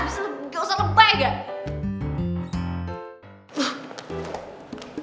bisa gak usah lebay gak